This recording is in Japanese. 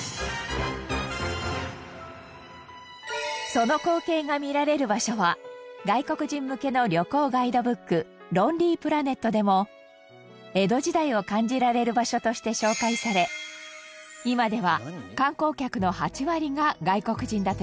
その光景が見られる場所は外国人向けの旅行ガイドブック『ロンリープラネット』でも江戸時代を感じられる場所として紹介され今では観光客の８割が外国人だといいます。